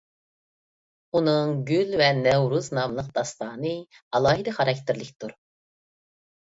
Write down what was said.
ئۇنىڭ «گۈل ۋە نەۋرۇز» ناملىق داستانى ئالاھىدە خاراكتېرلىكتۇر.